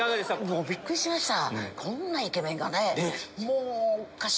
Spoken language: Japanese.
もうびっくりしました。